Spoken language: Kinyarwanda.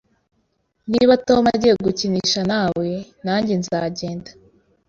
Niba Tom agiye gukinisha nawe, nanjye nzagenda